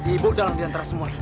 ibu dalam diantara semua